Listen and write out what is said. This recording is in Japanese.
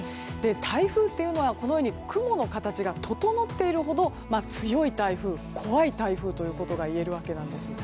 台風というのは雲の形が整っているほど強い台風、怖い台風ということが言えるわけなんです。